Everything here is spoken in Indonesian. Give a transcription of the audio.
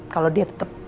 kalau dia tetep